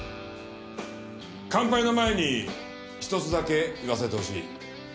乾杯の前に１つだけ言わせてほしい。